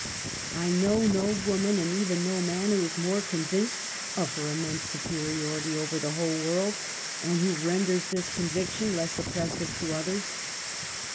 I know no woman, and even no man, who is more convinced of her immense superiority over the whole world, and who renders this conviction less oppressive to others.